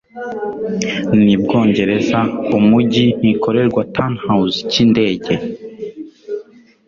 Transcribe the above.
Ni Bwongereza umugi ntikorerwa Turnhouse cy'indege?